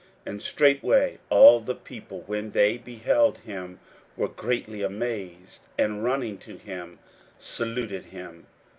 41:009:015 And straightway all the people, when they beheld him, were greatly amazed, and running to him saluted him.